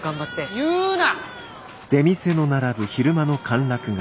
言うな！